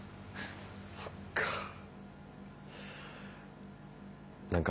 そっか。